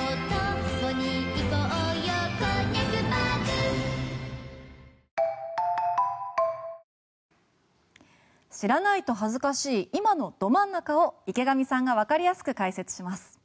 カロカロカロカロカロリミット知らないと恥ずかしい今のど真ん中を池上さんが分かりやすく解説します。